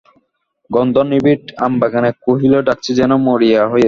গন্ধনিবিড় আমবাগানে কোকিল ডাকছে যেন মরিয়া হয়ে।